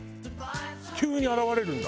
急に現れるんだ？